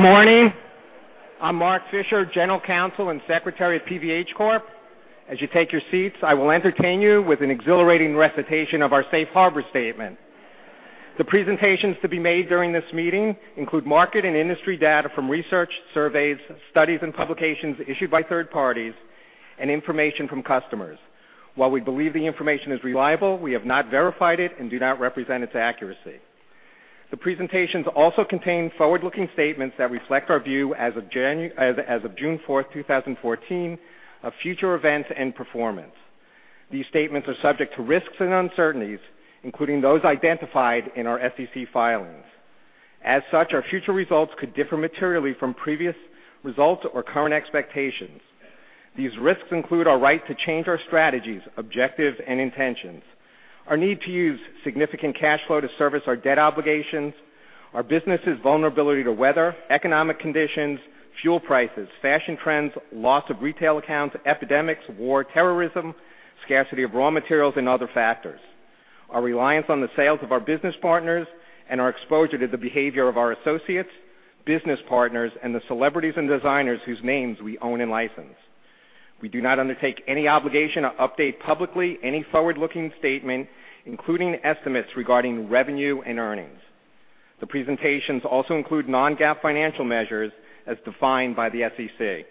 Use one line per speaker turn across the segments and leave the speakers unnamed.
Good morning. I'm Mark Fischer, General Counsel and Secretary at PVH Corp. As you take your seats, I will entertain you with an exhilarating recitation of our safe harbor statement. The presentations to be made during this meeting include market and industry data from research, surveys, studies, and publications issued by third parties and information from customers. While we believe the information is reliable, we have not verified it and do not represent its accuracy. The presentations also contain forward-looking statements that reflect our view as of June 4th, 2014, of future events and performance. These statements are subject to risks and uncertainties, including those identified in our SEC filings. Such, our future results could differ materially from previous results or current expectations. These risks include our right to change our strategies, objectives, and intentions, our need to use significant cash flow to service our debt obligations, our business' vulnerability to weather, economic conditions, fuel prices, fashion trends, loss of retail accounts, epidemics, war, terrorism, scarcity of raw materials, and other factors. Our reliance on the sales of our business partners and our exposure to the behavior of our associates, business partners, and the celebrities and designers whose names we own and license. We do not undertake any obligation to update publicly any forward-looking statement, including estimates regarding revenue and earnings. The presentations also include non-GAAP financial measures as defined by the SEC.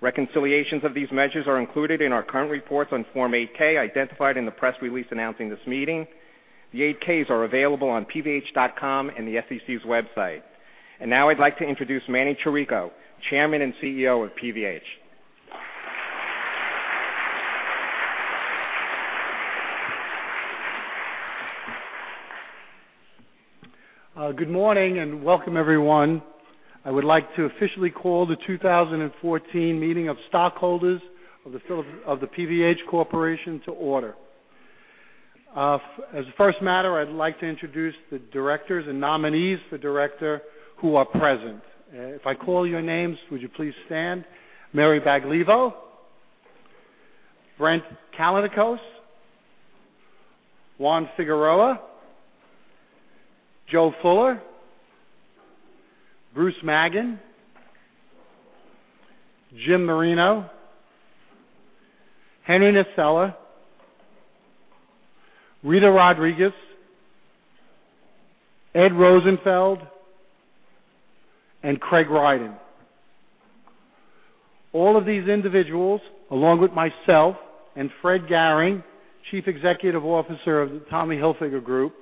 Reconciliations of these measures are included in our current reports on Form 8-K, identified in the press release announcing this meeting. The 8-Ks are available on pvh.com and the SEC's website. Now I'd like to introduce Manny Chirico, Chairman and CEO of PVH.
Good morning and welcome everyone. I would like to officially call the 2014 meeting of stockholders of the PVH Corporation to order. As a first matter, I'd like to introduce the Directors and nominees for Director who are present. If I call your names, would you please stand? Mary Baglivo, Brent Callinicos, Juan Figuereo, Joe Fuller, Bruce Maggin, Jim Marino, Henry Nasella, Rita Rodriguez, Ed Rosenfeld, and Craig Rydin. All of these individuals, along with myself and Fred Gehring, Chief Executive Officer of the Tommy Hilfiger Group,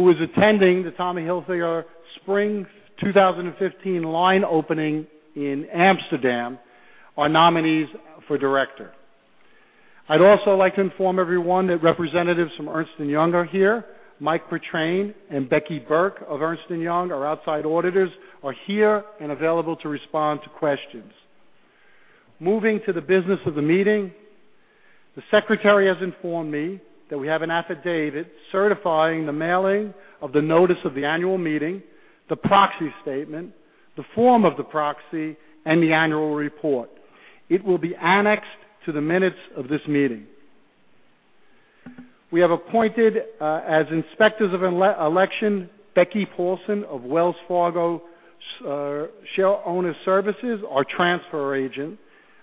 who is attending the Tommy Hilfiger Spring 2015 line opening in Amsterdam, are nominees for Director. I'd also like to inform everyone that representatives from Ernst & Young are here. Mike Partrain and Becky Burke of Ernst & Young, our outside auditors, are here and available to respond to questions. Moving to the business of the meeting, the secretary has informed me that we have an affidavit certifying the mailing of the notice of the annual meeting, the proxy statement, the form of the proxy, and the annual report. It will be annexed to the minutes of this meeting. We have appointed, as inspectors of election, Becky Paulson of Wells Fargo Shareowner Services, our transfer agent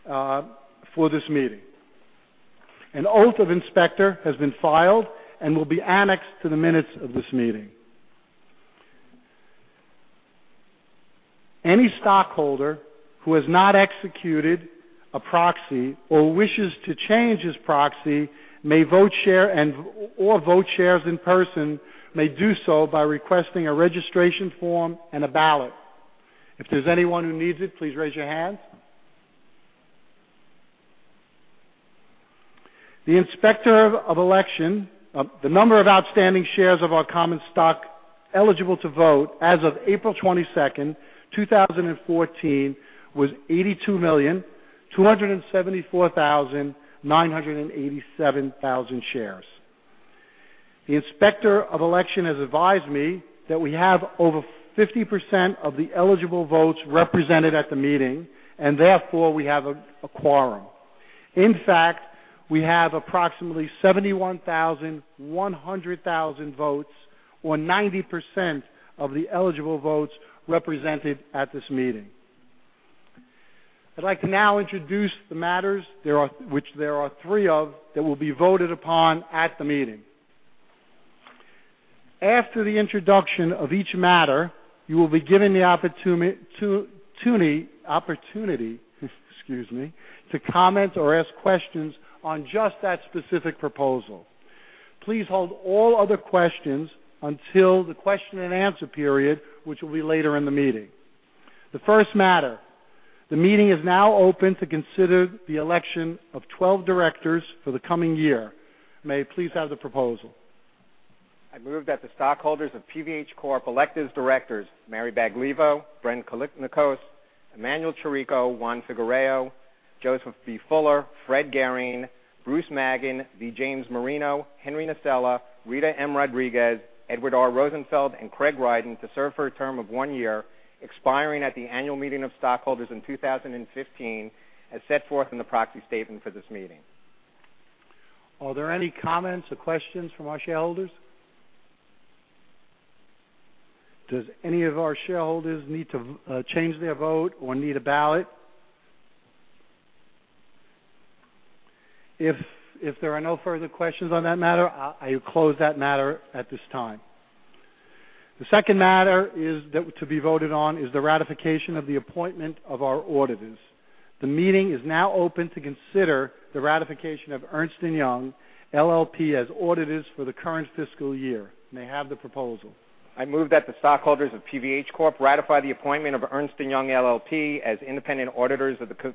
for this meeting. An oath of inspector has been filed and will be annexed to the minutes of this meeting. Any stockholder who has not executed a proxy or wishes to change his proxy or vote shares in person, may do so by requesting a registration form and a ballot. If there's anyone who needs it, please raise your hand. The inspector of election. The number of outstanding shares of our common stock eligible to vote as of April 22nd, 2014, was 82,274,987 shares. The inspector of election has advised me that we have over 50% of the eligible votes represented at the meeting, and therefore we have a quorum. In fact, we have approximately 71,100 votes or 90% of the eligible votes represented at this meeting. I'd like to now introduce the matters, which there are three of, that will be voted upon at the meeting. After the introduction of each matter, you will be given the opportunity to comment or ask questions on just that specific proposal. Please hold all other questions until the question and answer period, which will be later in the meeting. The first matter, the meeting is now open to consider the election of 12 directors for the coming year. May I please have the proposal?
I move that the stockholders of PVH Corp. elect as directors Mary Baglivo, Brent Callinicos, Emanuel Chirico, Juan Figuereo, Joseph B. Fuller, Fred Gehring, Bruce Maggin, V. James Marino, Henry Nasella, Rita M. Rodriguez, Edward R. Rosenfeld, and Craig Rydin to serve for a term of one year, expiring at the annual meeting of stockholders in 2015, as set forth in the proxy statement for this meeting.
Are there any comments or questions from our shareholders? Does any of our shareholders need to change their vote or need a ballot? If there are no further questions on that matter, I close that matter at this time. The second matter to be voted on is the ratification of the appointment of our auditors. The meeting is now open to consider the ratification of Ernst & Young LLP as auditors for the current fiscal year. May I have the proposal?
I move that the stockholders of PVH Corp ratify the appointment of Ernst & Young LLP as independent auditors of the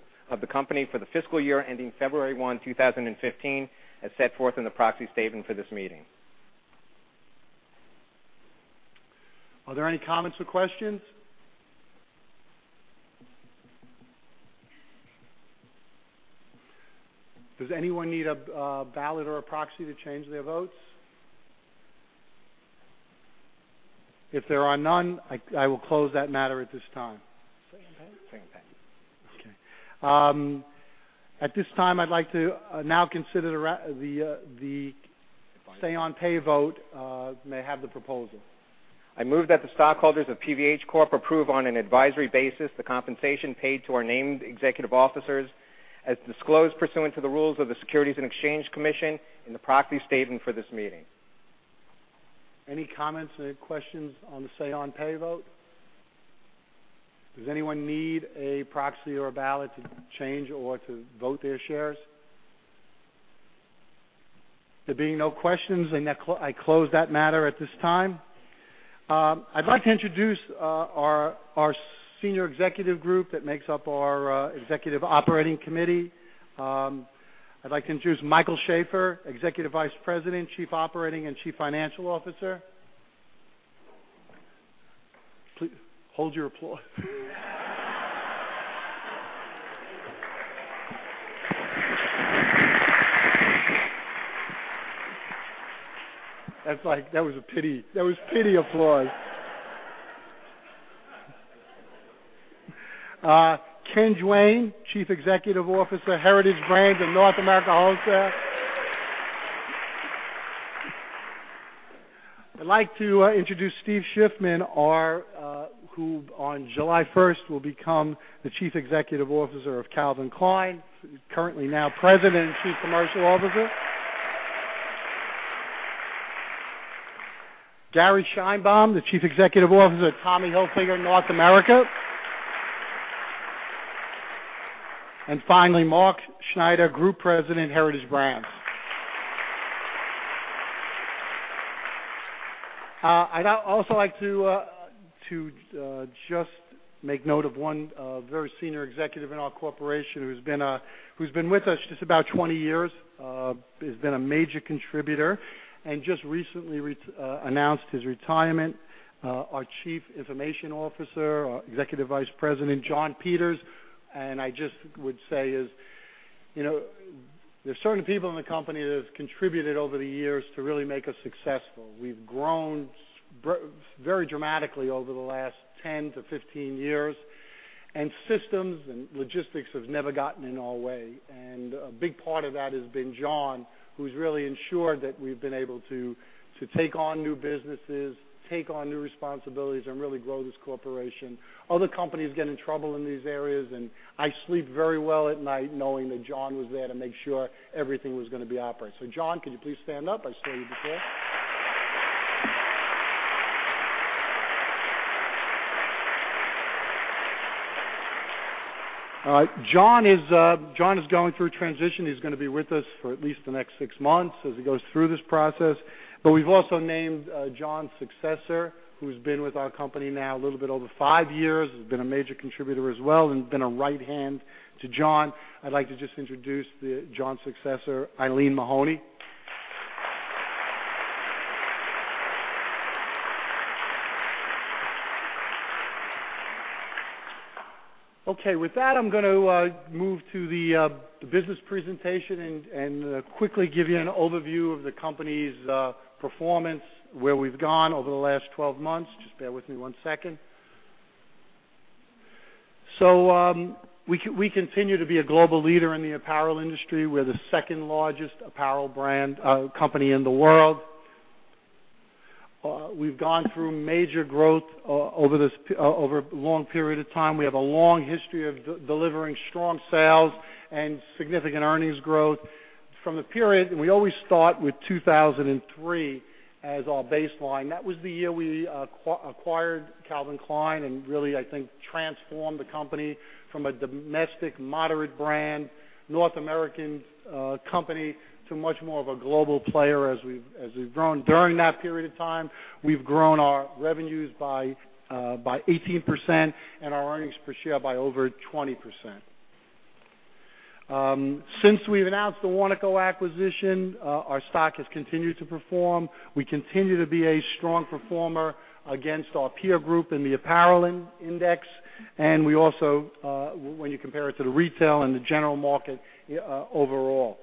company for the fiscal year ending February 1, 2015, as set forth in the proxy statement for this meeting.
Are there any comments or questions? Does anyone need a ballot or a proxy to change their votes? If there are none, I will close that matter at this time.
Say-on-pay?
Say-on-pay. Okay. At this time, I'd like to now consider the say-on-pay vote. May I have the proposal?
I move that the stockholders of PVH Corp approve on an advisory basis the compensation paid to our named executive officers as disclosed pursuant to the rules of the Securities and Exchange Commission in the proxy statement for this meeting.
Any comments, any questions on the say-on-pay vote? Does anyone need a proxy or a ballot to change or to vote their shares? There being no questions, I close that matter at this time. I'd like to introduce our senior executive group that makes up our Executive Operating Committee. I'd like to introduce Michael Shaffer, Executive Vice President, Chief Operating and Chief Financial Officer. Please hold your applause. That was pity applause. Ken Duane, Chief Executive Officer, Heritage Brands and North America Wholesale. I'd like to introduce Steve Shiffman, who on July 1st will become the Chief Executive Officer of Calvin Klein. He's currently now President and Chief Commercial Officer. Gary Sheinbaum, the Chief Executive Officer at Tommy Hilfiger North America. Finally, Mark Schneider, Group President, Heritage Brands. I'd also like to just make note of one very senior executive in our corporation who's been with us just about 20 years. He's been a major contributor and just recently announced his retirement. Our Chief Information Officer, our Executive Vice President, John Peters. I just would say is, there are certain people in the company that have contributed over the years to really make us successful. We've grown very dramatically over the last 10 to 15 years, and systems and logistics have never gotten in our way. A big part of that has been John, who's really ensured that we've been able to take on new businesses, take on new responsibilities, and really grow this corporation. Other companies get in trouble in these areas, and I sleep very well at night knowing that John was there to make sure everything was going to be operated. John, could you please stand up? I saw you before. John is going through a transition. He's going to be with us for at least the next six months as he goes through this process. We've also named John's successor, who's been with our company now a little bit over five years. He's been a major contributor as well and been a right hand to John. I'd like to just introduce John's successor, Eileen Mahoney. Okay. With that, I'm going to move to the business presentation and quickly give you an overview of the company's performance, where we've gone over the last 12 months. Just bear with me one second. We continue to be a global leader in the apparel industry. We're the second largest apparel brand company in the world. We've gone through major growth over a long period of time. We have a long history of delivering strong sales and significant earnings growth. From the period, we always start with 2003 as our baseline. That was the year we acquired Calvin Klein and really, I think, transformed the company from a domestic moderate brand North American company to much more of a global player as we've grown during that period of time. We've grown our revenues by 18% and our earnings per share by over 20%. Since we've announced the Warnaco acquisition, our stock has continued to perform. We continue to be a strong performer against our peer group in the apparel index, and we also, when you compare it to the retail and the general market overall.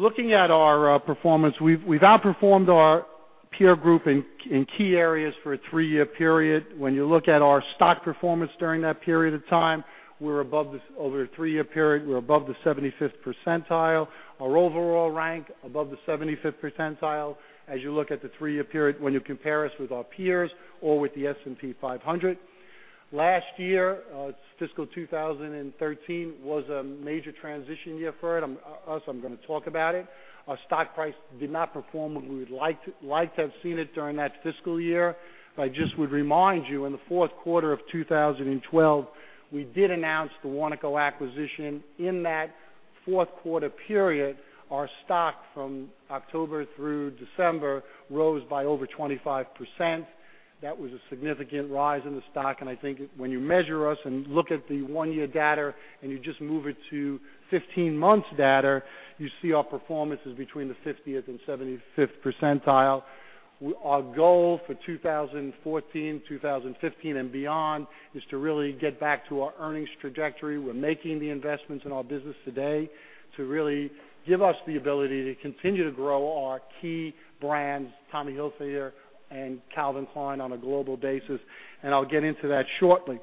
Looking at our performance, we've outperformed our peer group in key areas for a three-year period. When you look at our stock performance during that period of time, over a three-year period, we're above the 75th percentile. Our overall rank, above the 75th percentile, as you look at the three-year period when you compare us with our peers or with the S&P 500. Last year, fiscal 2013, was a major transition year for us. I'm going to talk about it. Our stock price did not perform as we would've liked to have seen it during that fiscal year. I just would remind you, in the fourth quarter of 2012, we did announce the Warnaco acquisition. In that fourth-quarter period, our stock from October through December rose by over 25%. That was a significant rise in the stock, I think when you measure us and look at the one-year data, and you just move it to 15 months data, you see our performance is between the 50th and 75th percentile. Our goal for 2014, 2015, and beyond is to really get back to our earnings trajectory. We're making the investments in our business today to really give us the ability to continue to grow our key brands, Tommy Hilfiger and Calvin Klein, on a global basis. I'll get into that shortly.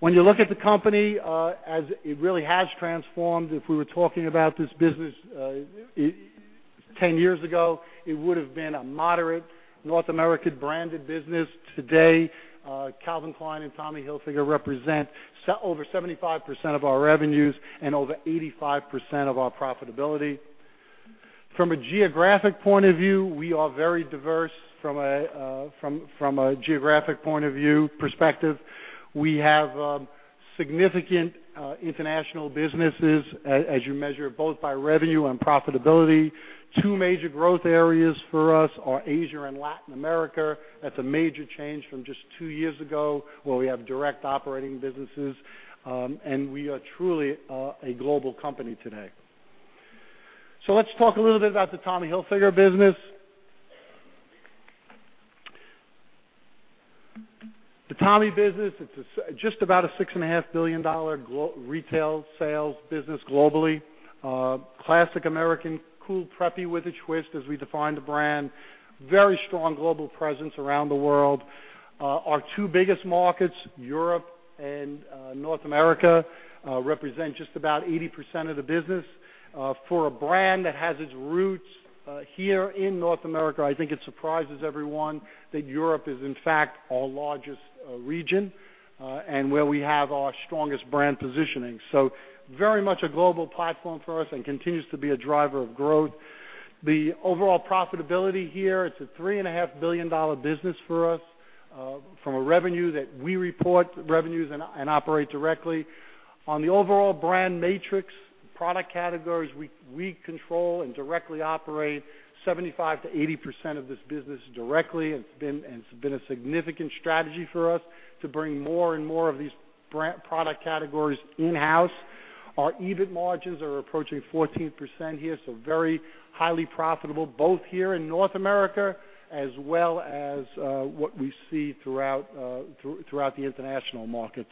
When you look at the company as it really has transformed, if we were talking about this business 10 years ago, it would've been a moderate North American branded business. Today, Calvin Klein and Tommy Hilfiger represent over 75% of our revenues and over 85% of our profitability. From a geographic point of view, we are very diverse. From a geographic point of view perspective, we have significant international businesses as you measure both by revenue and profitability. Two major growth areas for us are Asia and Latin America. That's a major change from just two years ago, where we have direct operating businesses. We are truly a global company today. Let's talk a little bit about the Tommy Hilfiger business. The Tommy business, it's just about a $6.5 billion retail sales business globally. Classic American, cool preppy with a twist, as we define the brand. Very strong global presence around the world. Our two biggest markets, Europe and North America, represent just about 80% of the business. For a brand that has its roots here in North America, I think it surprises everyone that Europe is, in fact, our largest region, and where we have our strongest brand positioning. Very much a global platform for us and continues to be a driver of growth. The overall profitability here, it's a $3.5 billion business for us from a revenue that we report revenues and operate directly. On the overall brand matrix, product categories we control and directly operate 75%-80% of this business directly. It's been a significant strategy for us to bring more and more of these product categories in-house. Our EBIT margins are approaching 14% here, so very highly profitable, both here in North America as well as what we see throughout the international markets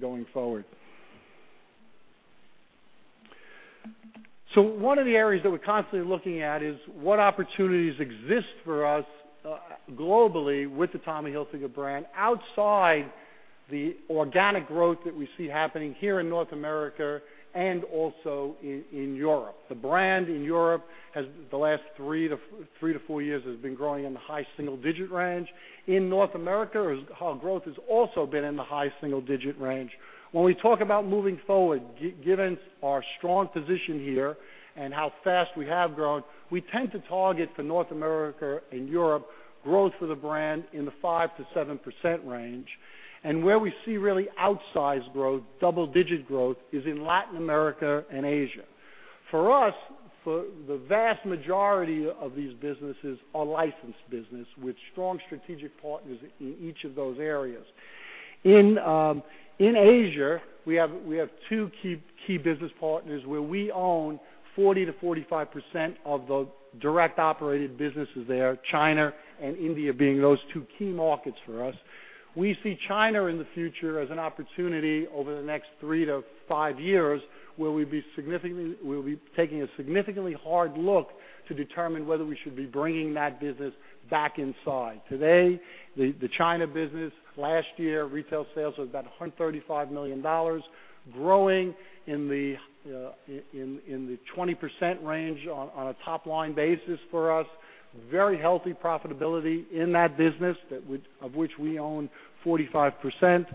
going forward. One of the areas that we're constantly looking at is what opportunities exist for us globally with the Tommy Hilfiger brand outside the organic growth that we see happening here in North America and also in Europe. The brand in Europe the last three to four years has been growing in the high single-digit range. In North America, our growth has also been in the high single-digit range. When we talk about moving forward, given our strong position here and how fast we have grown, we tend to target for North America and Europe growth for the brand in the 5%-7% range. And where we see really outsized growth, double-digit growth, is in Latin America and Asia. For us, the vast majority of these businesses are licensed business with strong strategic partners in each of those areas. In Asia, we have two key business partners where we own 40%-45% of the direct operated businesses there, China and India being those two key markets for us. We see China in the future as an opportunity over the next three to five years where we'll be taking a significantly hard look to determine whether we should be bringing that business back inside. Today, the China business, last year, retail sales was about $135 million, growing in the 20% range on a top-line basis for us. Very healthy profitability in that business, of which we own 45%.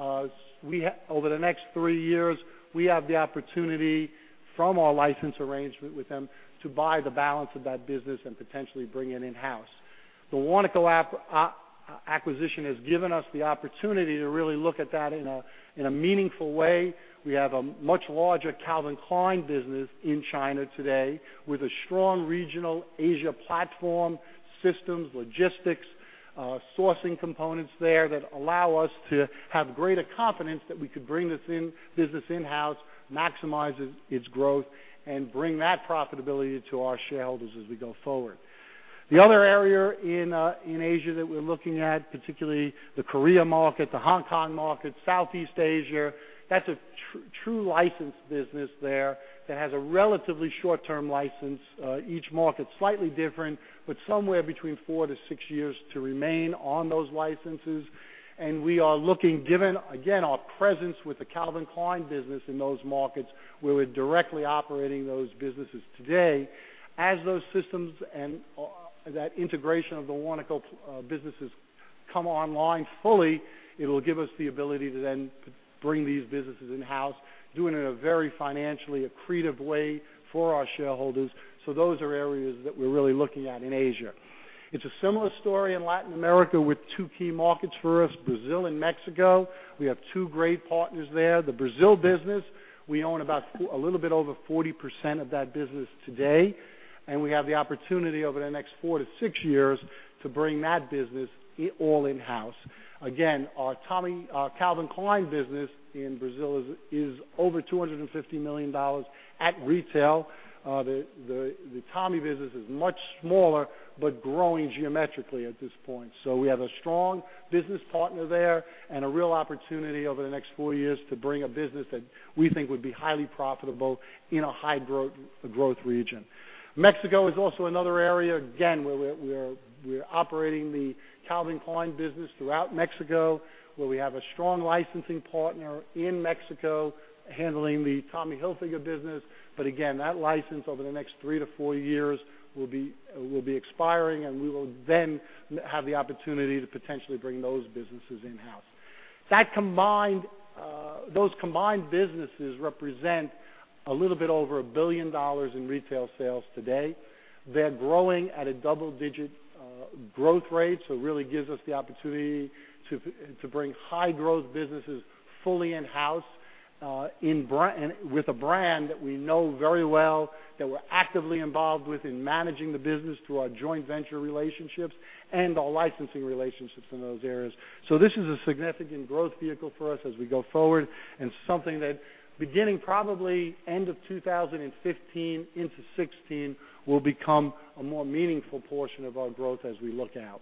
Over the next three years, we have the opportunity from our license arrangement with them to buy the balance of that business and potentially bring it in-house. The Warnaco acquisition has given us the opportunity to really look at that in a meaningful way. We have a much larger Calvin Klein business in China today with a strong regional Asia platform, systems, logistics, sourcing components there that allow us to have greater confidence that we could bring this business in-house, maximize its growth, and bring that profitability to our shareholders as we go forward. The other area in Asia that we're looking at, particularly the Korea market, the Hong Kong market, Southeast Asia, that's a true licensed business there that has a relatively short-term license. Each market's slightly different, but somewhere between four to six years to remain on those licenses. And we are looking, given, again, our presence with the Calvin Klein business in those markets, where we're directly operating those businesses today. Those are areas that we're really looking at in Asia. It's a similar story in Latin America with two key markets for us, Brazil and Mexico. We have two great partners there. The Brazil business, we own a little bit over 40% of that business today, and we have the opportunity over the next four to six years to bring that business all in-house. Again, our Calvin Klein business in Brazil is over $250 million at retail. The Tommy business is much smaller, but growing geometrically at this point. We have a strong business partner there and a real opportunity over the next 4 years to bring a business that we think would be highly profitable in a high-growth region. Mexico is also another area, again, where we're operating the Calvin Klein business throughout Mexico, where we have a strong licensing partner in Mexico handling the Tommy Hilfiger business. Again, that license over the next 3-4 years will be expiring, and we will then have the opportunity to potentially bring those businesses in-house. Those combined businesses represent a little bit over $1 billion in retail sales today. They're growing at a double-digit growth rate, it really gives us the opportunity to bring high-growth businesses fully in-house with a brand that we know very well, that we're actively involved with in managing the business through our joint venture relationships and our licensing relationships in those areas. This is a significant growth vehicle for us as we go forward, and something that beginning probably end of 2015 into 2016, will become a more meaningful portion of our growth as we look out.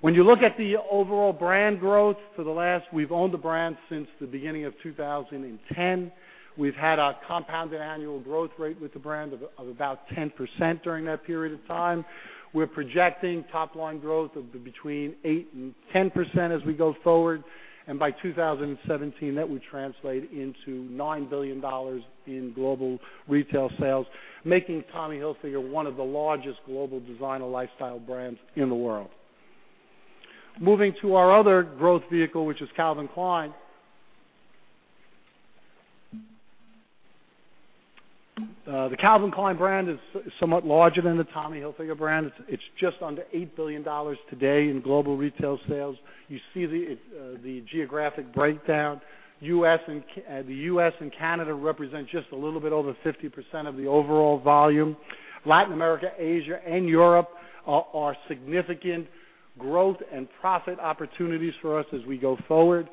When you look at the overall brand growth, we've owned the brand since the beginning of 2010. We've had a compounded annual growth rate with the brand of about 10% during that period of time. We're projecting top-line growth of between 8%-10% as we go forward. By 2017, that would translate into $9 billion in global retail sales, making Tommy Hilfiger one of the largest global designer lifestyle brands in the world. Moving to our other growth vehicle, which is Calvin Klein. The Calvin Klein brand is somewhat larger than the Tommy Hilfiger brand. It's just under $8 billion today in global retail sales. You see the geographic breakdown. The U.S. and Canada represent just a little bit over 50% of the overall volume. Latin America, Asia, and Europe are significant growth and profit opportunities for us as we go forward.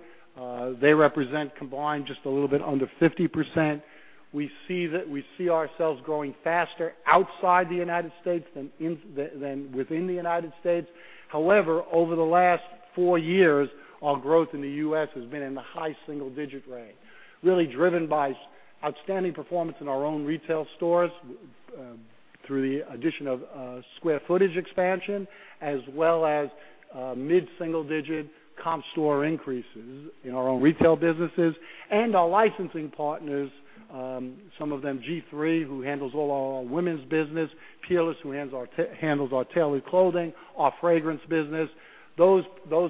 They represent combined just a little bit under 50%. We see ourselves growing faster outside the United States than within the United States. However, over the last 4 years, our growth in the U.S. has been in the high single-digit range, really driven by outstanding performance in our own retail stores through the addition of square footage expansion, as well as mid-single-digit comp store increases in our own retail businesses. Our licensing partners, some of them G-III, who handles all our women's business, Peerless, who handles our tailored clothing, our fragrance business. Those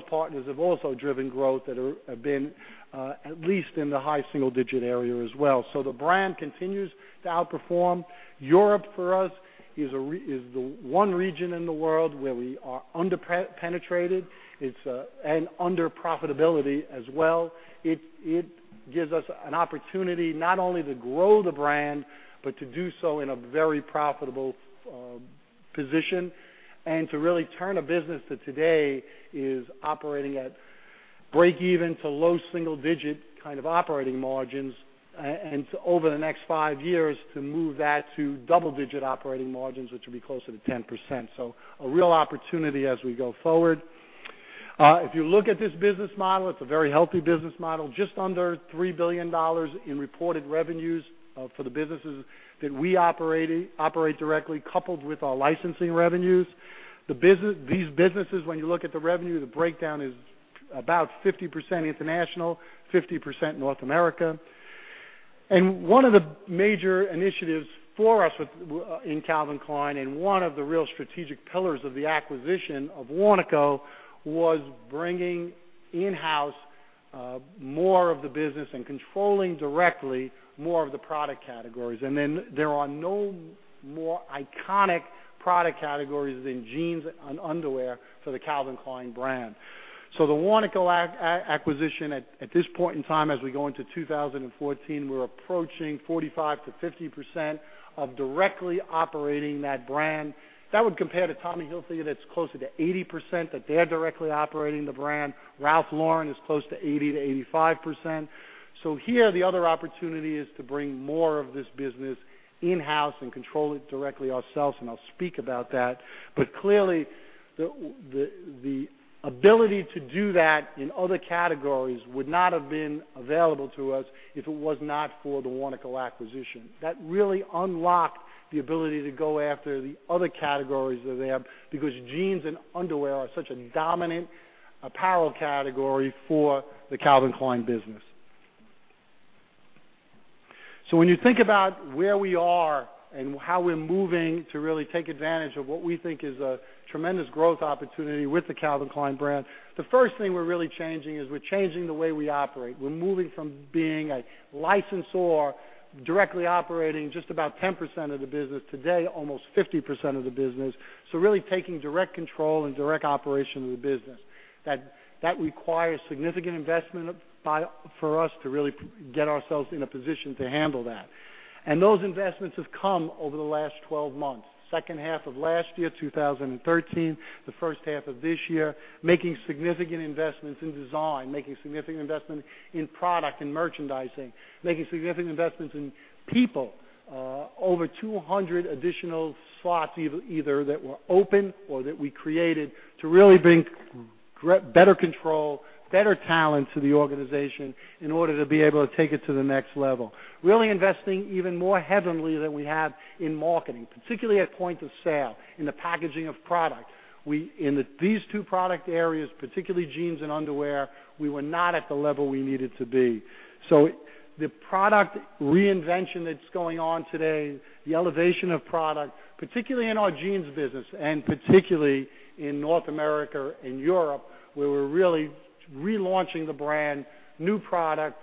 partners have also driven growth that have been at least in the high single-digit area as well. The brand continues to outperform. Europe for us is the one region in the world where we are under-penetrated, and under profitability as well. It gives us an opportunity not only to grow the brand, but to do so in a very profitable position and to really turn a business that today is operating at break-even to low single-digit kind of operating margins. Over the next five years, to move that to double-digit operating margins, which will be closer to 10%. A real opportunity as we go forward. If you look at this business model, it's a very healthy business model, just under $3 billion in reported revenues for the businesses that we operate directly, coupled with our licensing revenues. These businesses, when you look at the revenue, the breakdown is about 50% international, 50% North America. One of the major initiatives for us in Calvin Klein and one of the real strategic pillars of the acquisition of Warnaco was bringing in-house more of the business and controlling directly more of the product categories. There are no more iconic product categories than jeans and underwear for the Calvin Klein brand. The Warnaco acquisition at this point in time as we go into 2014, we're approaching 45%-50% of directly operating that brand. That would compare to Tommy Hilfiger, that's closer to 80% that they're directly operating the brand. Ralph Lauren is close to 80%-85%. Here, the other opportunity is to bring more of this business in-house and control it directly ourselves, and I'll speak about that. Clearly, the ability to do that in other categories would not have been available to us if it was not for the Warnaco acquisition. That really unlocked the ability to go after the other categories that they have because jeans and underwear are such a dominant apparel category for the Calvin Klein business. When you think about where we are and how we're moving to really take advantage of what we think is a tremendous growth opportunity with the Calvin Klein brand, the first thing we're really changing is we're changing the way we operate. We're moving from being a licensor directly operating just about 10% of the business today, almost 50% of the business. Really taking direct control and direct operation of the business. That requires significant investment for us to really get ourselves in a position to handle that. Those investments have come over the last 12 months, second half of last year, 2013, the first half of this year, making significant investments in design, making significant investments in product and merchandising, making significant investments in people. Over 200 additional slots either that were open or that we created to really bring better control, better talent to the organization in order to be able to take it to the next level. Really investing even more heavily than we have in marketing, particularly at point of sale, in the packaging of product. In these two product areas, particularly jeans and underwear, we were not at the level we needed to be. The product reinvention that's going on today, the elevation of product, particularly in our jeans business, and particularly in North America and Europe, where we're really relaunching the brand, new product,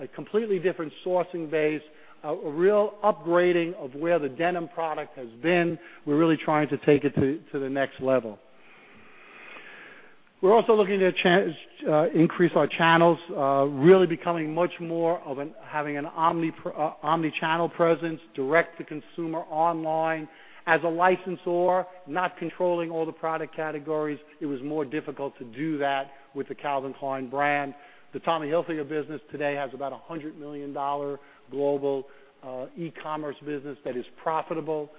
a completely different sourcing base, a real upgrading of where the denim product has been. We're really trying to take it to the next level. We're also looking to increase our channels, really becoming much more of having an omni-channel presence direct to consumer online. As a licensor, not controlling all the product categories, it was more difficult to do that with the Calvin Klein brand. The Tommy Hilfiger business today has about $100 million global e-commerce business that is profitable.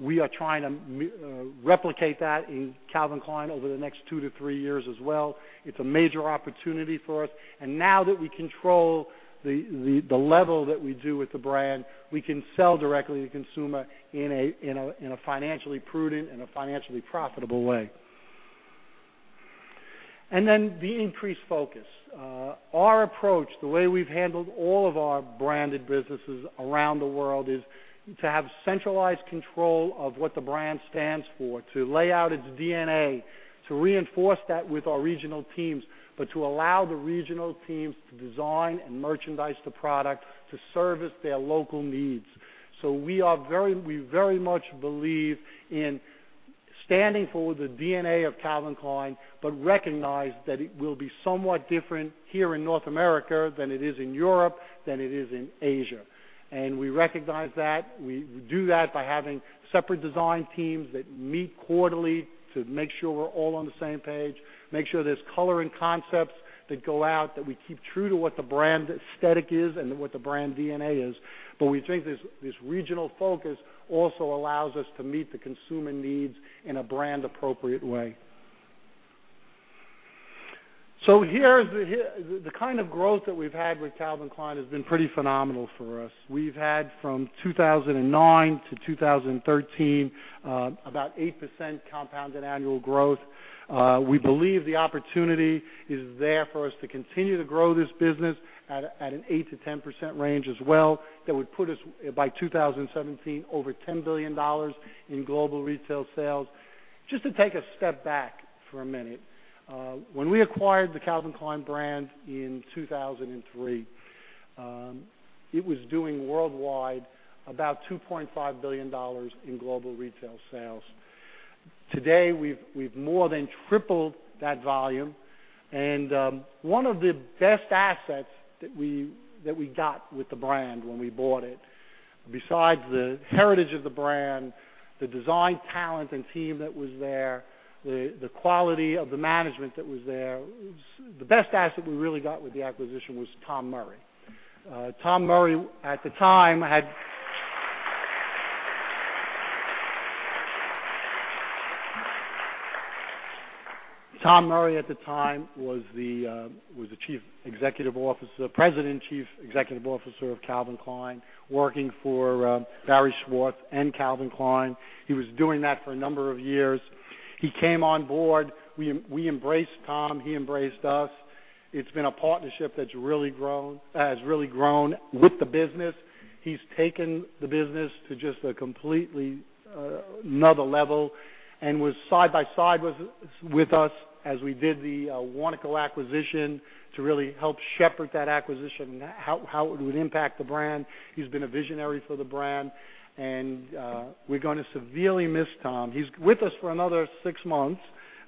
We are trying to replicate that in Calvin Klein over the next two to three years as well. It's a major opportunity for us, and now that we control the level that we do with the brand, we can sell directly to consumer in a financially prudent and a financially profitable way. The increased focus. Our approach, the way we've handled all of our branded businesses around the world, is to have centralized control of what the brand stands for, to lay out its DNA, to reinforce that with our regional teams, but to allow the regional teams to design and merchandise the product to service their local needs. We very much believe in standing for the DNA of Calvin Klein, recognize that it will be somewhat different here in North America than it is in Europe, than it is in Asia. We recognize that. We do that by having separate design teams that meet quarterly to make sure we're all on the same page, make sure there's color and concepts that go out, that we keep true to what the brand aesthetic is and what the brand DNA is. We think this regional focus also allows us to meet the consumer needs in a brand-appropriate way. The kind of growth that we've had with Calvin Klein has been pretty phenomenal for us. We've had from 2009 to 2013, about 8% compounded annual growth. We believe the opportunity is there for us to continue to grow this business at an 8%-10% range as well. That would put us, by 2017, over $10 billion in global retail sales. Just to take a step back for a minute. When we acquired the Calvin Klein brand in 2003, it was doing worldwide about $2.5 billion in global retail sales. Today, we've more than tripled that volume, and one of the best assets that we got with the brand when we bought it, besides the heritage of the brand, the design talent and team that was there, the quality of the management that was there, the best asset we really got with the acquisition was Tom Murry. Tom Murry at the time was the President Chief Executive Officer of Calvin Klein, working for Barry Schwartz and Calvin Klein. He was doing that for a number of years. He came on board. We embraced Tom. He embraced us. It's been a partnership that has really grown with the business. He's taken the business to just a completely another level and was side by side with us as we did the Warnaco acquisition to really help shepherd that acquisition, how it would impact the brand. He's been a visionary for the brand, and we're going to severely miss Tom. He's with us for another six months,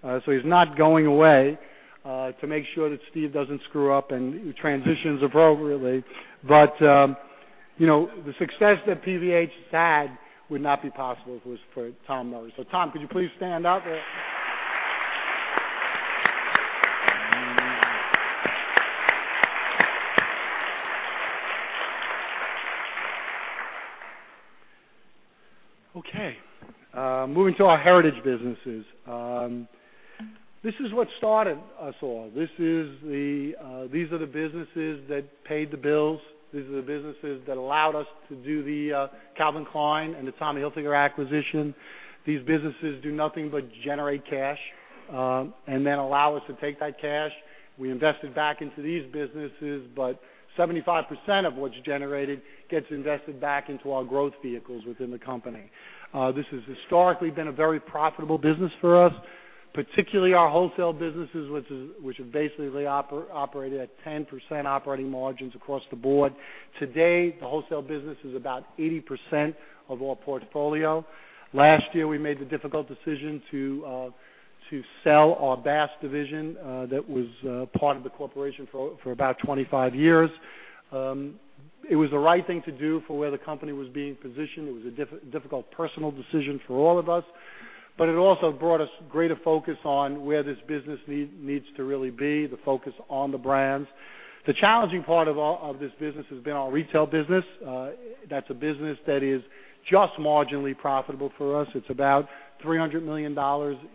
so he's not going away, to make sure that Steve doesn't screw up and transitions appropriately. The success that PVH has had would not be possible if it was for Tom Murry. Tom, could you please stand up? Okay. Moving to our Heritage Brands businesses. This is what started us all. These are the businesses that paid the bills. These are the businesses that allowed us to do the Calvin Klein and the Tommy Hilfiger acquisition. These businesses do nothing but generate cash. Then allow us to take that cash. We invest it back into these businesses, but 75% of what's generated gets invested back into our growth vehicles within the company. This has historically been a very profitable business for us, particularly our wholesale businesses, which have basically operated at 10% operating margins across the board. Today, the wholesale business is about 80% of our portfolio. Last year, we made the difficult decision to sell our Bass division that was part of the corporation for about 25 years. It was the right thing to do for where the company was being positioned. It was a difficult personal decision for all of us, it also brought us greater focus on where this business needs to really be, the focus on the brands. The challenging part of this business has been our retail business. That's a business that is just marginally profitable for us. It's about $300 million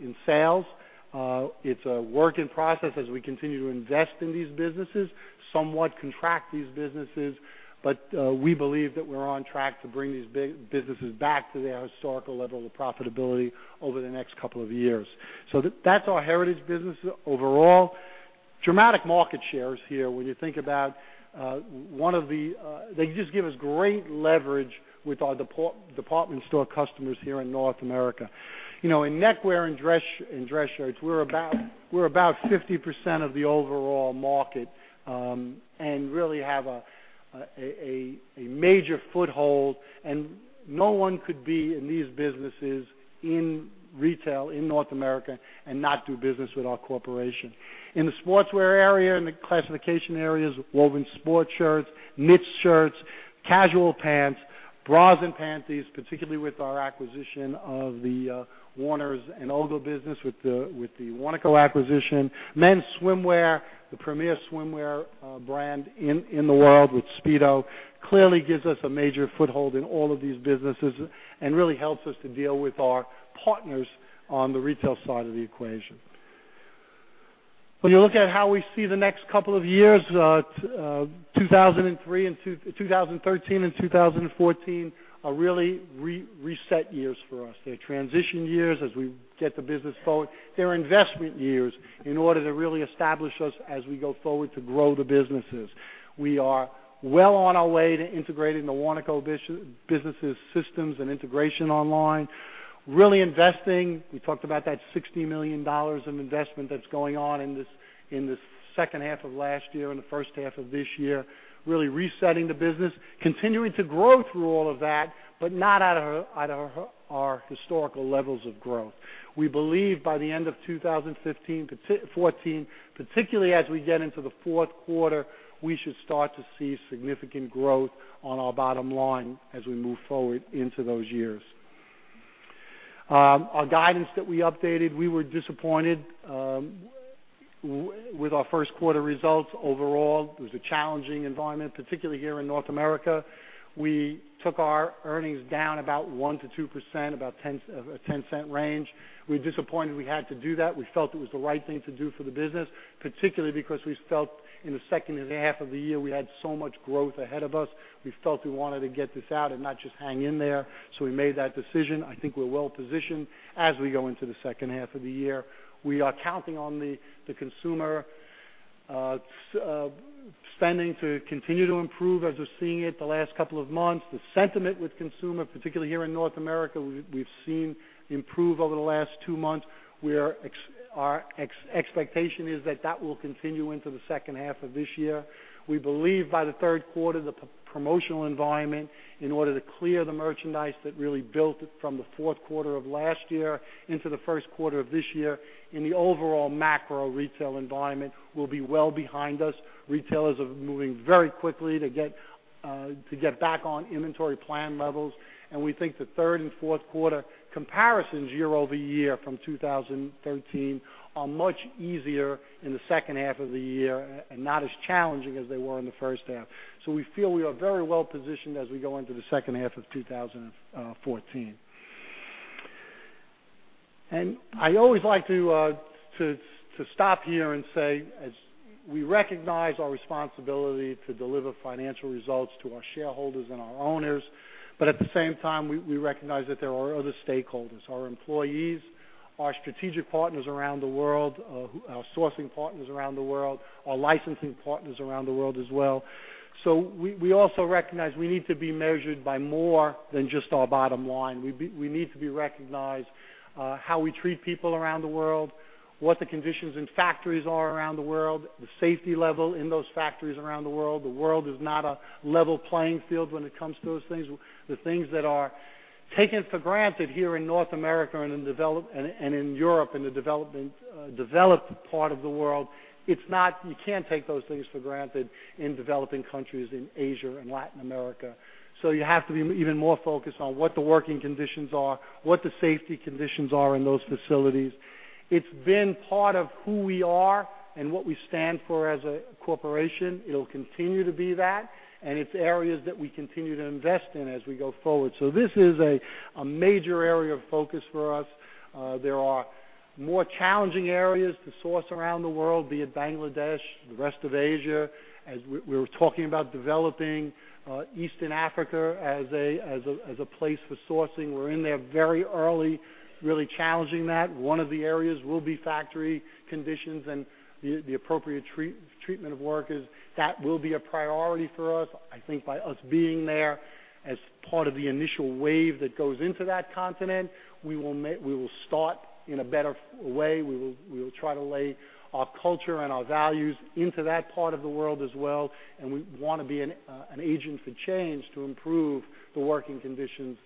in sales. It's a work in process as we continue to invest in these businesses, somewhat contract these businesses. We believe that we're on track to bring these businesses back to their historical level of profitability over the next couple of years. That's our Heritage Brands business overall. Dramatic market shares here when you think about They just give us great leverage with our department store customers here in North America. In neckwear and dress shirts, we're about 50% of the overall market, and really have a major foothold. No one could be in these businesses in retail in North America and not do business with our corporation. In the sportswear area, in the classification areas, woven sport shirts, knit shirts, casual pants, bras and panties, particularly with our acquisition of the Warner's and Olga business with the Warnaco acquisition. Men's swimwear, the premier swimwear brand in the world with Speedo, clearly gives us a major foothold in all of these businesses and really helps us to deal with our partners on the retail side of the equation. When you look at how we see the next couple of years, 2013 and 2014, are really reset years for us. They're transition years as we get the business forward. They're investment years in order to really establish us as we go forward to grow the businesses. We are well on our way to integrating the Warnaco businesses systems and integration online, really investing. We talked about that $60 million in investment that's going on in the second half of last year and the first half of this year, really resetting the business, continuing to grow through all of that, but not out of our historical levels of growth. We believe by the end of 2014, particularly as we get into the fourth quarter, we should start to see significant growth on our bottom line as we move forward into those years. Our guidance that we updated, we were disappointed with our first quarter results overall. It was a challenging environment, particularly here in North America. We took our earnings down about 1%-2%, about a $0.10 range. We're disappointed we had to do that. We felt it was the right thing to do for the business, particularly because we felt in the second half of the year, we had so much growth ahead of us. We felt we wanted to get this out and not just hang in there. We made that decision. I think we're well positioned as we go into the second half of the year. We are counting on the consumer spending to continue to improve as we're seeing it the last couple of months. The sentiment with consumer, particularly here in North America, we've seen improve over the last two months, where our expectation is that that will continue into the second half of this year. We believe by the third quarter, the promotional environment, in order to clear the merchandise that really built it from the fourth quarter of last year into the first quarter of this year, and the overall macro retail environment will be well behind us. Retailers are moving very quickly to get back on inventory plan levels, and we think the third and fourth quarter comparisons year-over-year from 2013 are much easier in the second half of the year and not as challenging as they were in the first half. We feel we are very well positioned as we go into the second half of 2014. I always like to stop here and say, as we recognize our responsibility to deliver financial results to our shareholders and our owners, but at the same time, we recognize that there are other stakeholders. Our employees, our strategic partners around the world, our sourcing partners around the world, our licensing partners around the world as well. We also recognize we need to be measured by more than just our bottom line. We need to be recognized how we treat people around the world, what the conditions in factories are around the world, the safety level in those factories around the world. The world is not a level playing field when it comes to those things. The things that are taken for granted here in North America and in Europe, in the developed part of the world, you can't take those things for granted in developing countries in Asia and Latin America. You have to be even more focused on what the working conditions are, what the safety conditions are in those facilities. It's been part of who we are and what we stand for as a corporation. It'll continue to be that, and it's areas that we continue to invest in as we go forward. This is a major area of focus for us. There are more challenging areas to source around the world, be it Bangladesh, the rest of Asia. As we were talking about developing Eastern Africa as a place for sourcing. We're in there very early, really challenging that. One of the areas will be factory conditions and the appropriate treatment of workers. That will be a priority for us. I think by us being there as part of the initial wave that goes into that continent, we will start in a better way. We will try to lay our culture and our values into that part of the world as well. We want to be an agent for change to improve the working conditions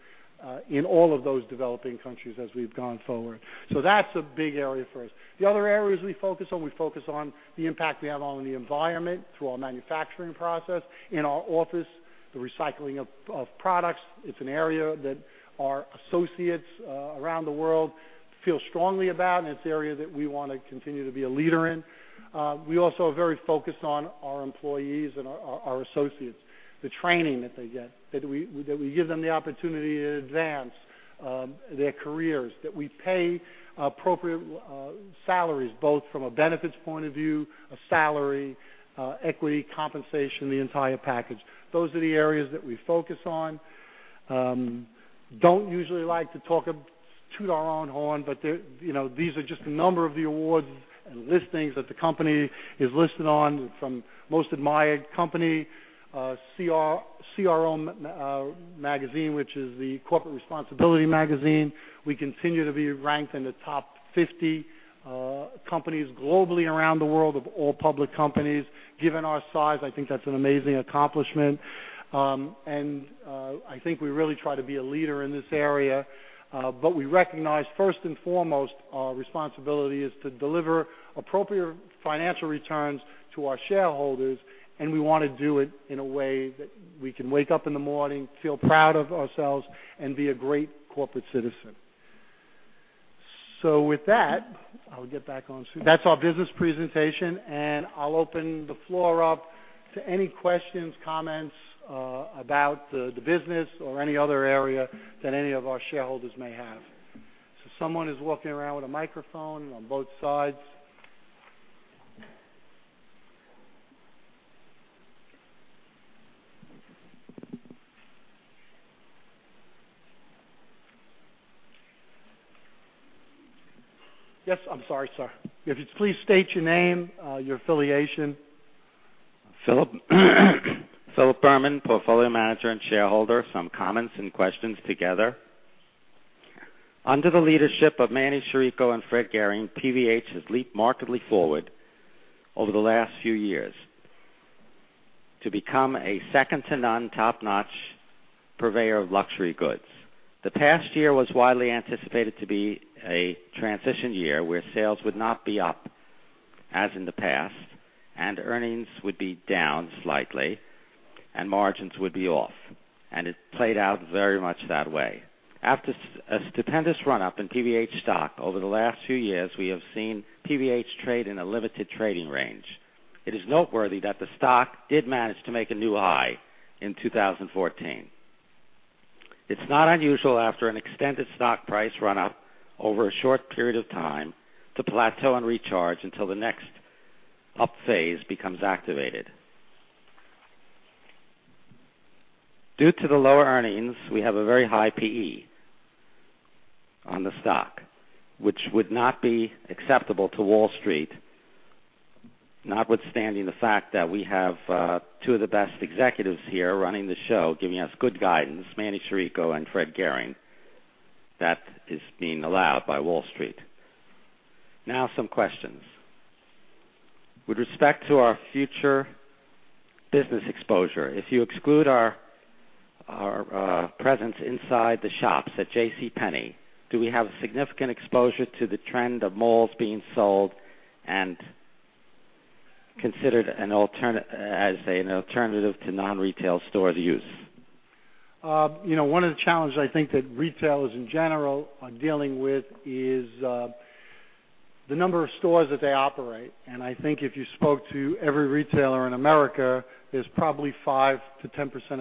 in all of those developing countries as we've gone forward. That's a big area for us. The other areas we focus on, we focus on the impact we have on the environment through our manufacturing process. In our office, the recycling of products. It's an area that our associates around the world feel strongly about. It's an area that we want to continue to be a leader in. We also are very focused on our employees and our associates. The training that they get, that we give them the opportunity to advance their careers, that we pay appropriate salaries, both from a benefits point of view, a salary, equity, compensation, the entire package. Those are the areas that we focus on. Don't usually like to toot our own horn, these are just a number of the awards and listings that the company is listed on from Most Admired Company, CR Magazine, which is the corporate responsibility magazine. We continue to be ranked in the top 50 companies globally around the world of all public companies. Given our size, I think that's an amazing accomplishment. I think we really try to be a leader in this area. We recognize, first and foremost, our responsibility is to deliver appropriate financial returns to our shareholders, we want to do it in a way that we can wake up in the morning, feel proud of ourselves, and be a great corporate citizen. With that, I'll get back on. That's our business presentation, I'll open the floor up to any questions, comments about the business or any other area that any of our shareholders may have. Someone is walking around with a microphone on both sides. Yes. I'm sorry, sir. If you'd please state your name, your affiliation.
Philip Berman, portfolio manager and shareholder. Some comments and questions together. Under the leadership of Manny Chirico and Fred Gehring, PVH has leaped markedly forward over the last few years to become a second-to-none, top-notch purveyor of luxury goods. The past year was widely anticipated to be a transition year where sales would not be up as in the past, earnings would be down slightly, margins would be off. It played out very much that way. After a stupendous run-up in PVH stock over the last few years, we have seen PVH trade in a limited trading range. It is noteworthy that the stock did manage to make a new high in 2014. It's not unusual after an extended stock price run-up over a short period of time to plateau and recharge until the next up phase becomes activated. Due to the lower earnings, we have a very high P/E on the stock, which would not be acceptable to Wall Street, notwithstanding the fact that we have two of the best executives here running the show, giving us good guidance, Manny Chirico and Fred Gehring. That is being allowed by Wall Street. Now some questions. With respect to our future business exposure, if you exclude our presence inside the shops at J. C. Penney, do we have a significant exposure to the trend of malls being sold and considered as an alternative to non-retail store use?
One of the challenges I think that retailers in general are dealing with is the number of stores that they operate. I think if you spoke to every retailer in America, there's probably 5%-10%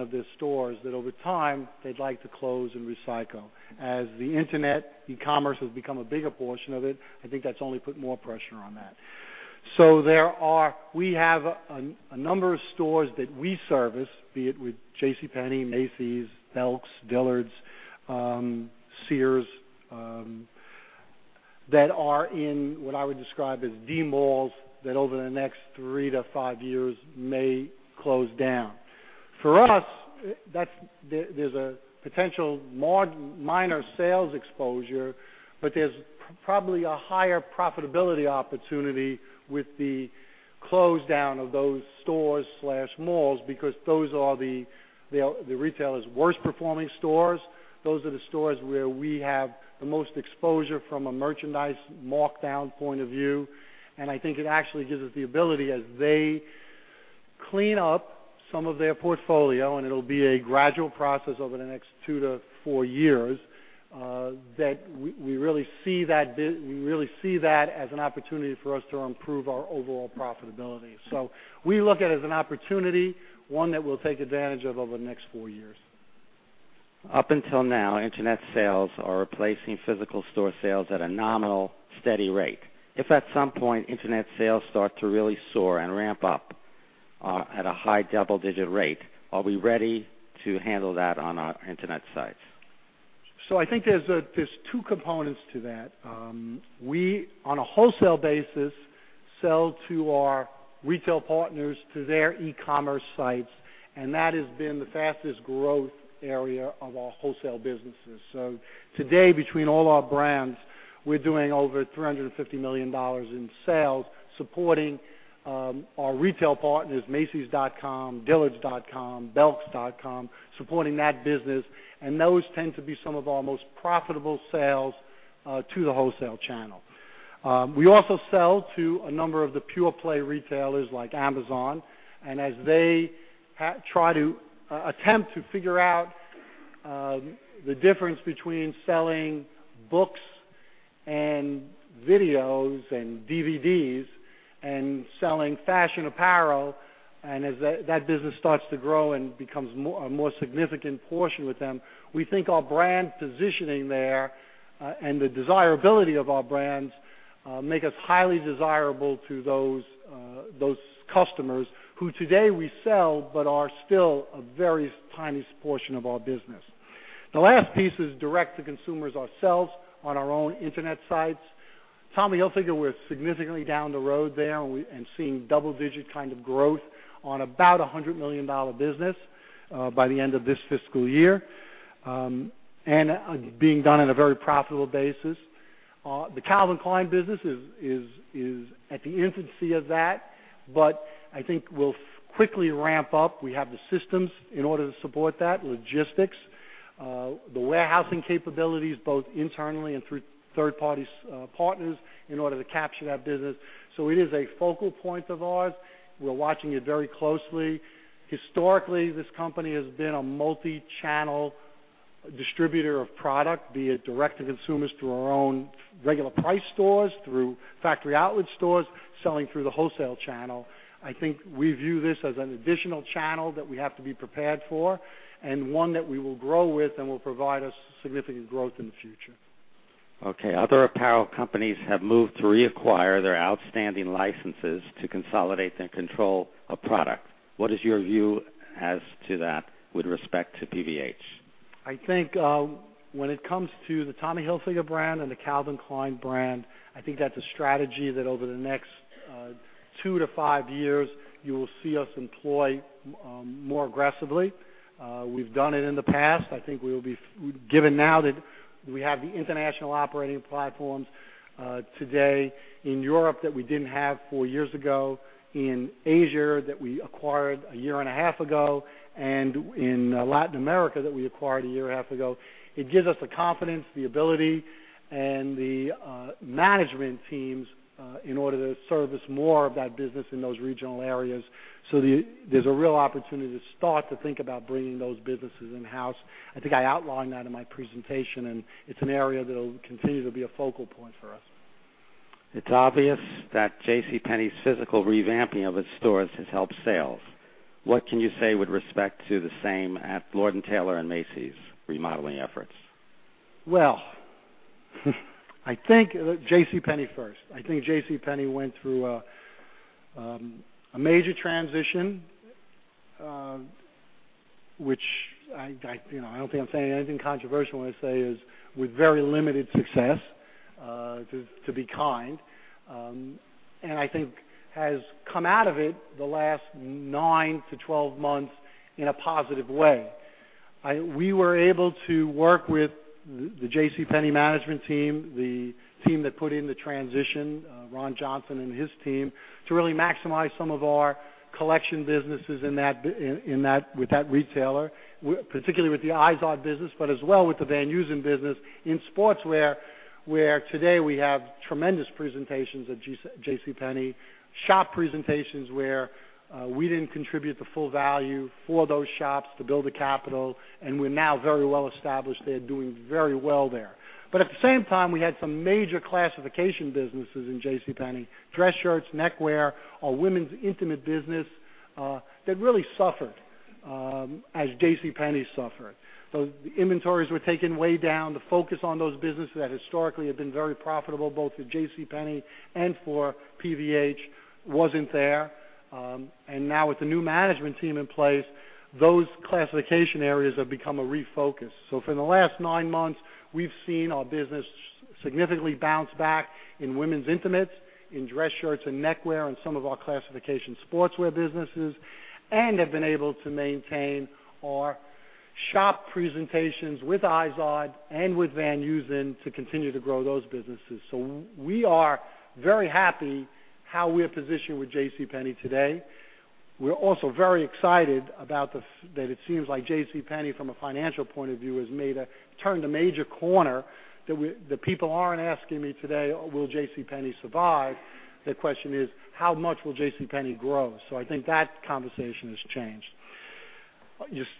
of their stores that over time they'd like to close and recycle. As the internet, e-commerce has become a bigger portion of it, I think that's only put more pressure on that. We have a number of stores that we service, be it with J. C. Penney, Macy's, Belk, Dillard's, Sears, that are in what I would describe as de-malls that over the next three to five years may close down. For us, there's a potential minor sales exposure, but there's probably a higher profitability opportunity with the close down of those stores/malls because those are the retailer's worst-performing stores. Those are the stores where we have the most exposure from a merchandise markdown point of view. I think it actually gives us the ability as they clean up some of their portfolio, and it'll be a gradual process over the next two to four years, that we really see that as an opportunity for us to improve our overall profitability. We look at it as an opportunity, one that we'll take advantage of over the next four years.
Up until now, internet sales are replacing physical store sales at a nominal, steady rate. If at some point internet sales start to really soar and ramp up at a high double-digit rate, are we ready to handle that on our internet sites?
I think there's two components to that. We, on a wholesale basis, sell to our retail partners to their e-commerce sites, and that has been the fastest growth area of our wholesale businesses. Today, between all our brands, we're doing over $350 million in sales supporting our retail partners, macys.com, dillards.com, belk.com, supporting that business, and those tend to be some of our most profitable sales to the wholesale channel. We also sell to a number of the pure-play retailers like Amazon. As they attempt to figure out the difference between selling books and videos and DVDs and selling fashion apparel, and as that business starts to grow and becomes a more significant portion with them, we think our brand positioning there and the desirability of our brands make us highly desirable to those customers who today we sell but are still a very tiny portion of our business. The last piece is direct to consumers ourselves on our own internet sites. Tommy Hilfiger, we're significantly down the road there and seeing double-digit kind of growth on about $100 million business by the end of this fiscal year, and being done on a very profitable basis. The Calvin Klein business is at the infancy of that, I think will quickly ramp up. We have the systems in order to support that logistics, the warehousing capabilities, both internally and through third-party partners in order to capture that business. It is a focal point of ours. We're watching it very closely. Historically, this company has been a multi-channel distributor of product, be it direct to consumers through our own regular price stores, through factory outlet stores, selling through the wholesale channel. I think we view this as an additional channel that we have to be prepared for, and one that we will grow with and will provide us significant growth in the future.
Okay. Other apparel companies have moved to reacquire their outstanding licenses to consolidate and control a product. What is your view as to that with respect to PVH?
I think when it comes to the Tommy Hilfiger brand and the Calvin Klein brand, I think that's a strategy that over the next two to five years, you will see us employ more aggressively. We've done it in the past. I think given now that we have the international operating platforms today in Europe that we didn't have four years ago, in Asia that we acquired a year and a half ago, and in Latin America that we acquired a year and a half ago. It gives us the confidence, the ability, and the management teams in order to service more of that business in those regional areas. There's a real opportunity to start to think about bringing those businesses in-house. I think I outlined that in my presentation, and it's an area that'll continue to be a focal point for us.
It's obvious that JCPenney's physical revamping of its stores has helped sales. What can you say with respect to the same at Lord & Taylor and Macy's remodeling efforts?
JCPenney first. I think JCPenney went through a major transition, which I don't think I'm saying anything controversial when I say is with very limited success, to be kind. I think has come out of it the last 9-12 months in a positive way. We were able to work with the JCPenney management team, the team that put in the transition, Ron Johnson and his team, to really maximize some of our collection businesses with that retailer, particularly with the IZOD business, but as well with the Van Heusen business in sportswear, where today we have tremendous presentations at JCPenney. Shop presentations where we didn't contribute the full value for those shops to build the capital, and we're now very well established. They're doing very well there. At the same time, we had some major classification businesses in JCPenney. Dress shirts, neckwear, our women's intimate business, that really suffered as JCPenney suffered. The inventories were taken way down. The focus on those businesses that historically had been very profitable, both for JCPenney and for PVH, wasn't there. Now with the new management team in place, those classification areas have become a refocus. For the last nine months, we've seen our business significantly bounce back in women's intimates, in dress shirts and neckwear, and some of our classification sportswear businesses, and have been able to maintain our shop presentations with IZOD and with Van Heusen to continue to grow those businesses. We are very happy how we're positioned with JCPenney today. We're also very excited that it seems like JCPenney, from a financial point of view, has turned a major corner. The people aren't asking me today, "Will J.C. Penney survive?" The question is, "How much will J.C. Penney grow?" I think that conversation has changed.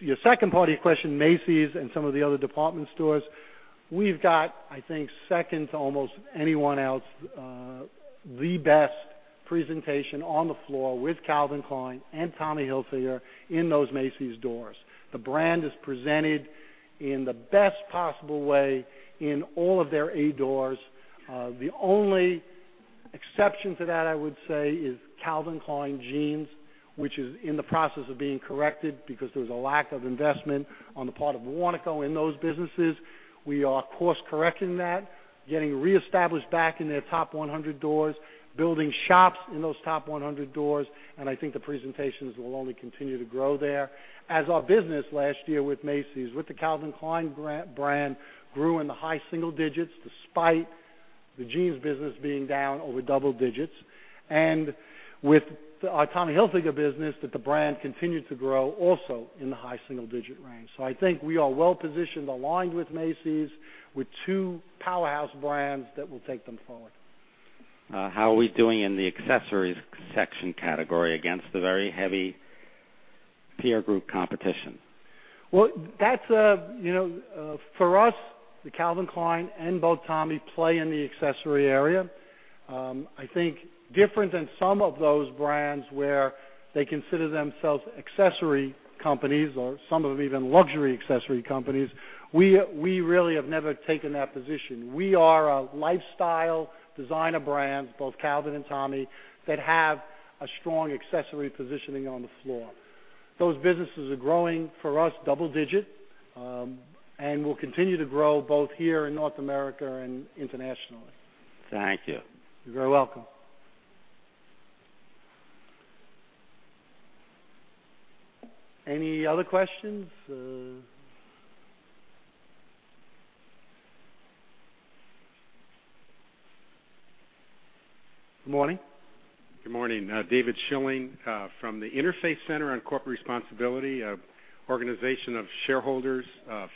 Your second part of your question, Macy's and some of the other department stores. We've got, I think, second to almost anyone else, the best presentation on the floor with Calvin Klein and Tommy Hilfiger in those Macy's doors. The brand is presented in the best possible way in all of their A doors. The only exception to that, I would say is Calvin Klein Jeans, which is in the process of being corrected because there was a lack of investment on the part of Warnaco in those businesses. We are course-correcting that, getting reestablished back in their top 100 doors, building shops in those top 100 doors, and I think the presentations will only continue to grow there. As our business last year with Macy's, with the Calvin Klein brand grew in the high single digits despite the jeans business being down over double digits. With our Tommy Hilfiger business, that the brand continued to grow also in the high single-digit range. I think we are well positioned, aligned with Macy's, with two powerhouse brands that will take them forward.
How are we doing in the accessories section category against the very heavy peer group competition?
For us, the Calvin Klein and both Tommy play in the accessory area. I think different than some of those brands where they consider themselves accessory companies, or some of them even luxury accessory companies, we really have never taken that position. We are a lifestyle designer brand, both Calvin and Tommy, that have a strong accessory positioning on the floor. Those businesses are growing, for us, double digit, and will continue to grow both here in North America and internationally.
Thank you.
You're very welcome. Any other questions? Good morning.
Good morning. David Schilling from the Interfaith Center on Corporate Responsibility, a organization of shareholders,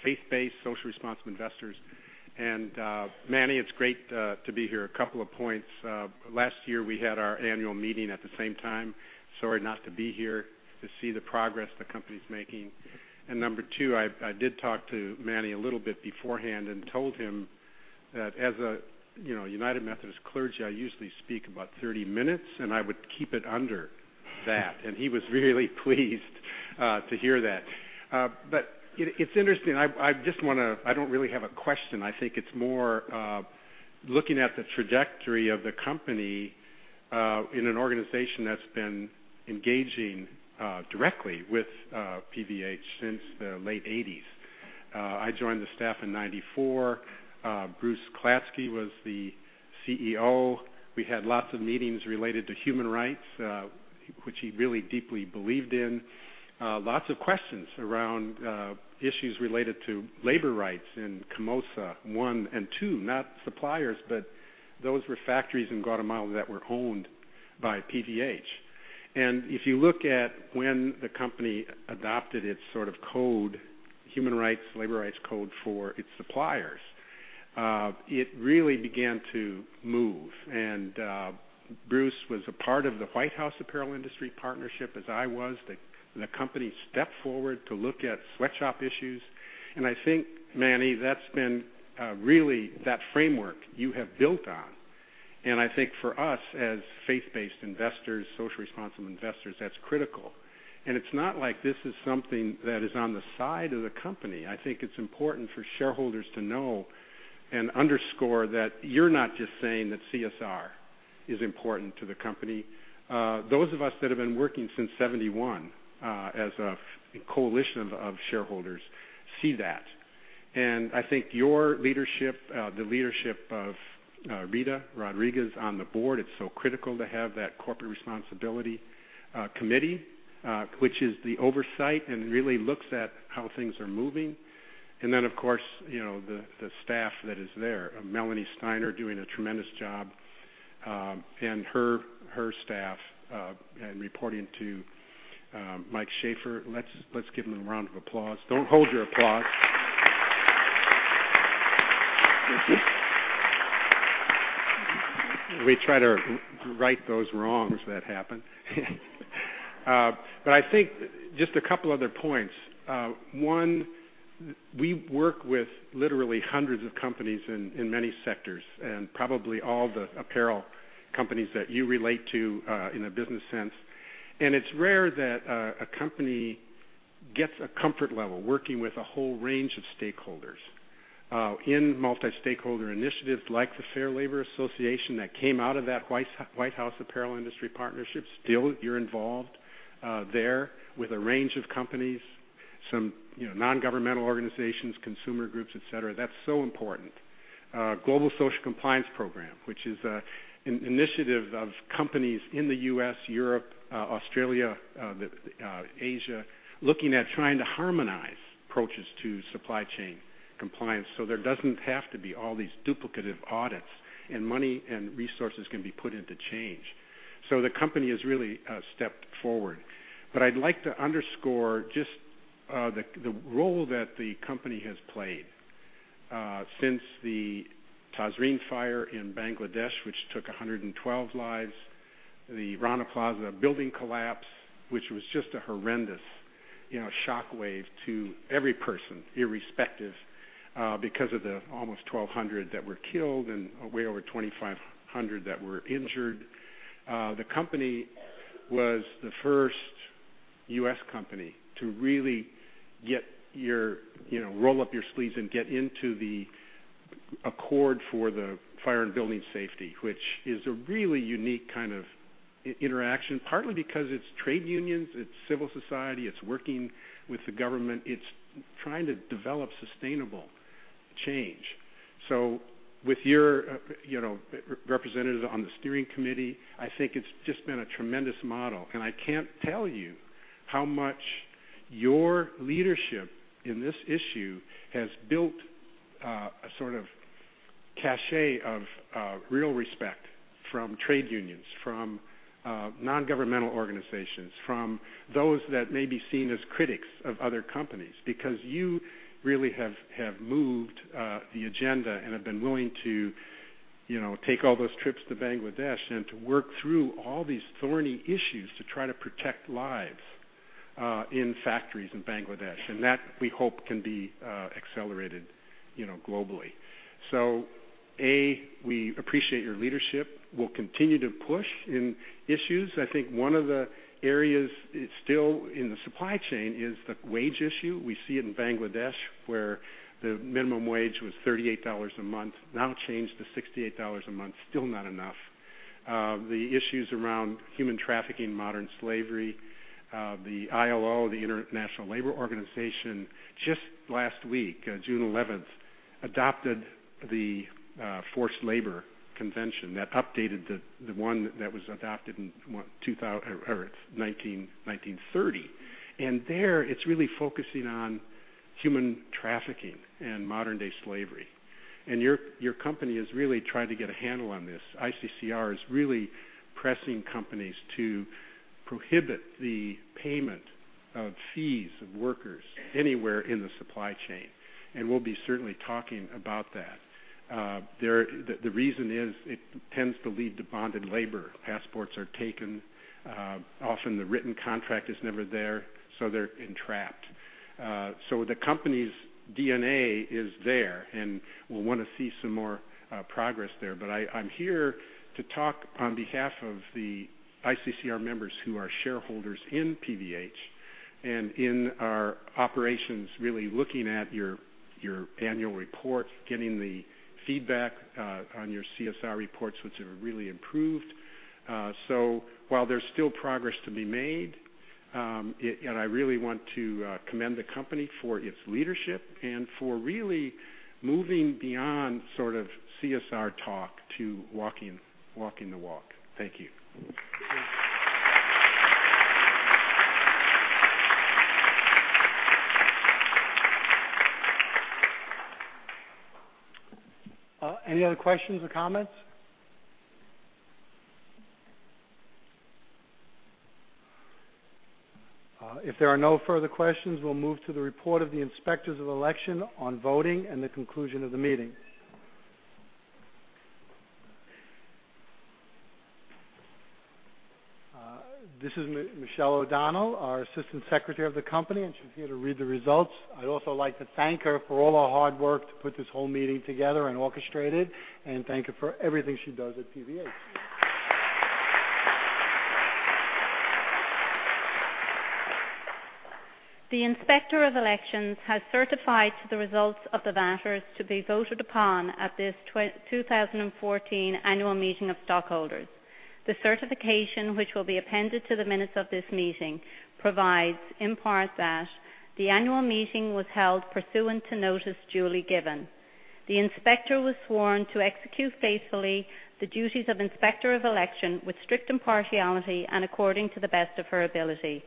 faith-based, social responsible investors. Manny, it's great to be here. A couple of points. Last year, we had our annual meeting at the same time. Sorry not to be here to see the progress the company's making. Number two, I did talk to Manny a little bit beforehand and told him that as a United Methodist clergy, I usually speak about 30 minutes, and I would keep it under that. He was really pleased to hear that. It's interesting. I don't really have a question. I think it's more looking at the trajectory of the company, in an organization that's been engaging directly with PVH since the late '80s. I joined the staff in '94. Bruce Klatsky was the CEO. We had lots of meetings related to human rights, which he really deeply believed in. Lots of questions around issues related to labor rights and Camisas One and Two, not suppliers, but those were factories in Guatemala that were owned by PVH. If you look at when the company adopted its code, human rights, labor rights code for its suppliers, it really began to move. Bruce was a part of the White House Apparel Industry Partnership, as I was. The company stepped forward to look at sweatshop issues. I think, Manny, that's been really that framework you have built on. I think for us, as faith-based investors, social responsible investors, that's critical. It's not like this is something that is on the side of the company. I think it's important for shareholders to know and underscore that you're not just saying that CSR is important to the company. Those of us that have been working since 1971, as a coalition of shareholders, see that. I think your leadership, the leadership of Rita Rodriguez on the board, it's so critical to have that corporate responsibility committee, which is the oversight and really looks at how things are moving. Then, of course, the staff that is there. Melanie Steiner doing a tremendous job, and her staff, and reporting to Michael Shaffer. Let's give them a round of applause. Don't hold your applause. We try to right those wrongs that happen. I think just a couple other points. One, we work with literally hundreds of companies in many sectors, and probably all the apparel companies that you relate to, in a business sense. It's rare that a company gets a comfort level working with a whole range of stakeholders. In multi-stakeholder initiatives like the Fair Labor Association that came out of that White House Apparel Industry Partnership. Still, you're involved there with a range of companies, some nongovernmental organizations, consumer groups, et cetera. That's so important. Global Social Compliance Programme, which is an initiative of companies in the U.S., Europe, Australia, Asia, looking at trying to harmonize approaches to supply chain compliance so there doesn't have to be all these duplicative audits, and money and resources can be put into change. The company has really stepped forward. I'd like to underscore just the role that the company has played. Since the Tazreen fire in Bangladesh, which took 112 lives, the Rana Plaza building collapse, which was just a horrendous shockwave to every person, irrespective, because of the almost 1,200 that were killed and way over 2,500 that were injured. The company was the first U.S. company to really roll up your sleeves and get into the Accord on Fire and Building Safety in Bangladesh, which is a really unique kind of interaction, partly because it's trade unions, it's civil society, it's working with the government. It's trying to develop sustainable change. With your representatives on the steering committee, I think it's just been a tremendous model. I can't tell you how much your leadership in this issue has built a sort of cachet of real respect from trade unions, from nongovernmental organizations, from those that may be seen as critics of other companies. You really have moved the agenda and have been willing to take all those trips to Bangladesh and to work through all these thorny issues to try to protect lives in factories in Bangladesh. That, we hope, can be accelerated globally. A, we appreciate your leadership. We'll continue to push in issues. I think one of the areas still in the supply chain is the wage issue. We see it in Bangladesh, where the minimum wage was $38 a month, now changed to $68 a month. Still not enough. The issues around human trafficking, modern slavery, the ILO, the International Labour Organization, just last week, June 11th, adopted the Forced Labour Convention that updated the one that was adopted in 1930. There, it's really focusing on human trafficking and modern-day slavery. Your company is really trying to get a handle on this. ICCR is really pressing companies to prohibit the payment of fees of workers anywhere in the supply chain, and we'll be certainly talking about that. The reason is it tends to lead to bonded labor. Passports are taken. Often, the written contract is never there, so they're entrapped. The company's DNA is there, and we'll want to see some more progress there. I'm here to talk on behalf of the ICCR members who are shareholders in PVH and in our operations, really looking at your annual report, getting the feedback on your CSR reports, which have really improved. While there's still progress to be made, and I really want to commend the company for its leadership and for really moving beyond sort of CSR talk to walking the walk. Thank you.
Any other questions or comments? If there are no further questions, we'll move to the report of the inspectors of election on voting and the conclusion of the meeting. This is Michelle O'Donnell, our Assistant Secretary of the company, and she's here to read the results. I'd also like to thank her for all her hard work to put this whole meeting together and orchestrate it, and thank her for everything she does at PVH.
The Inspector of Elections has certified to the results of the matters to be voted upon at this 2014 annual meeting of stockholders. The certification, which will be appended to the minutes of this meeting, provides, in part, that the annual meeting was held pursuant to notice duly given. The Inspector was sworn to execute faithfully the duties of Inspector of Election with strict impartiality and according to the best of her ability.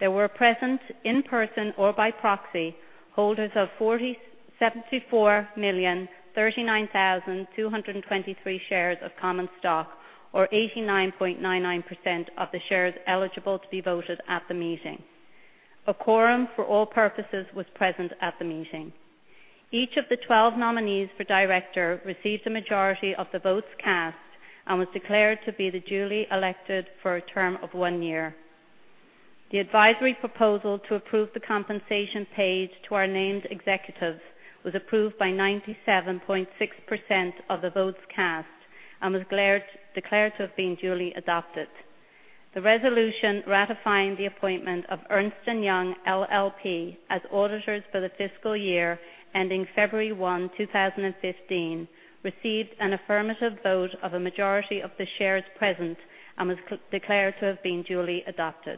There were present, in person or by proxy, holders of 74,039,223 shares of common stock, or 89.99% of the shares eligible to be voted at the meeting. A quorum for all purposes was present at the meeting. Each of the 12 nominees for director received a majority of the votes cast and was declared to be the duly elected for a term of one year. The advisory proposal to approve the compensation paid to our named executives was approved by 97.6% of the votes cast and was declared to have been duly adopted. The resolution ratifying the appointment of Ernst & Young LLP as auditors for the fiscal year ending February 1, 2015, received an affirmative vote of a majority of the shares present and was declared to have been duly adopted.